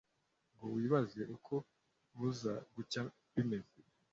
ngo wibaze uko buza gucya bimeze